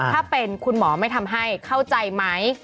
ถ้าเป็นคุณหมอไม่ทำให้เข้าใจไหม